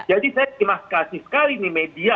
jadi saya terima kasih sekali nih media